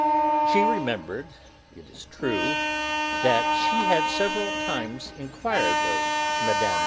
She remembered, it is true, that she had several times inquired of Mme.